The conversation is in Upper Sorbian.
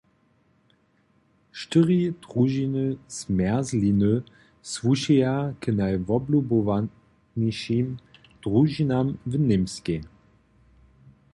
Štyri družiny zmjerzliny słušeja k najwoblubowanišim družinam w Němskej.